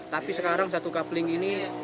tapi sekarang satu coupling ini